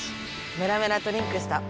メラメラとリンクした！